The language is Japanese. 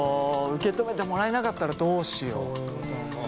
受け止めてもらえなかったらどうしよう。